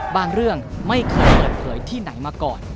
บางเรื่องไม่เคยเผยที่ไหนมาก่อน